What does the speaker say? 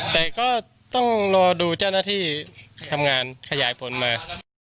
แต่ก็ต้องรอดูเจ้าหน้าที่ทำงานขยายผลมา